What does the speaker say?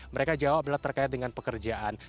mereka jawab adalah terkait dengan pekerjaan